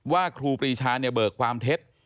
ครูปรีชาเนี่ยเบิกความเท็จ